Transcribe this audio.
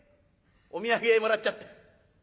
お土産もらっちゃって。